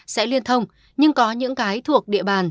sẽ liên thông nhưng có những cái thuộc địa bàn